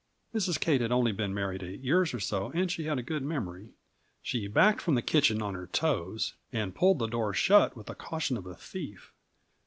Mrs. Kate had only been married eight years or so, and she had a good memory. She backed from the kitchen on her toes, and pulled the door shut with the caution of a thief.